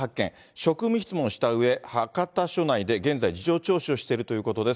職務質問したうえ、博多署内で現在、事情聴取をしているということです。